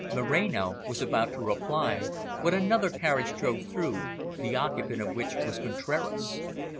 Moreno was about to reply when another carriage drove through, the occupant of which was Contraras.